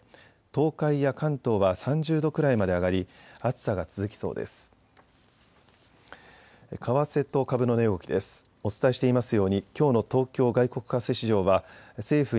東海や関東は３０度くらいまで上がり、暑さが続きそうです。